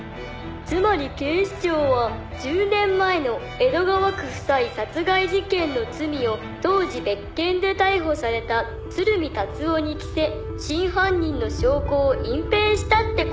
「つまり警視庁は１０年前の江戸川区夫妻殺害事件の罪を当時別件で逮捕された鶴見達男に着せ真犯人の証拠を隠蔽したって事！」